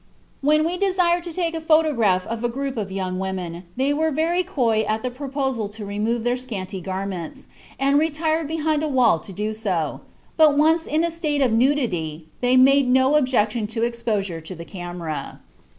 When we desired to take a photograph of a group of young women, they were very coy at the proposal to remove their scanty garments, and retired behind a wall to do so; but once in a state of nudity they made no objection to exposure to the camera."